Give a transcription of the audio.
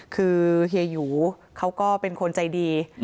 คือเฮียหยูเขาก็เป็นคนใจดี